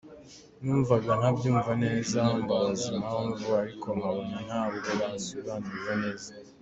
Numvaga ntabyumva neza mbabaza impamvu ariko nkabona ntabwo bansobanurira neza.